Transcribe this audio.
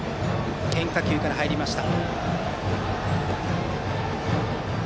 変化球から入りました。